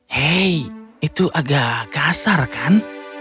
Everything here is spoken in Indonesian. hei itu agak kasar kan